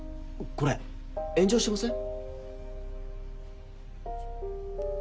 これ炎上してません？